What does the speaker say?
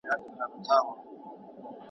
تر بل ډنډ پوري مي ځان سوای رسولای `